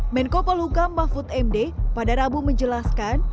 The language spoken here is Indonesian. menko polhukam mahfud md pada rabu menjelaskan